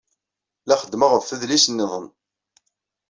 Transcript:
La xeddmeɣ ɣef udlis niḍen.